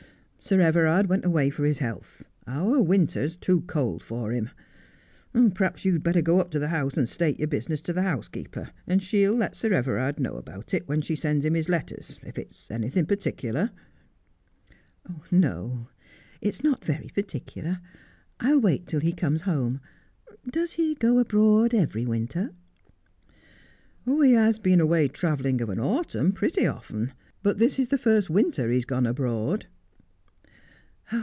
Sir Everard went away for his health. Our winter is too cold for him. Perhaps you'd better go up to the house and state your business to the housekeeper, and she'll let Sir Everard know about it when she sends him his letters, if it's anything particular.' 'No, it's not very particular. I'll wait till he comes home. Does he go abroad every winter 1 ' 'He has been away travelling of an autumn pretty often. But this is the first winter he has gone abroad.'